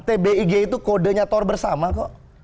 tbig itu kodenya tor bersama kok